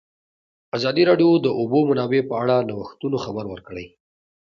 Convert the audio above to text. ازادي راډیو د د اوبو منابع په اړه د نوښتونو خبر ورکړی.